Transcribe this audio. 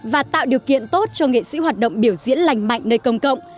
và tạo điều kiện tốt cho nghệ sĩ hoạt động biểu diễn lành mạnh nơi công cộng